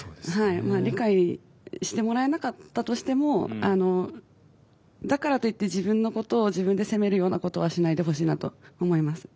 理解してもらえなかったとしてもだからといって自分のことを自分で責めるようなことはしないでほしいなと思います。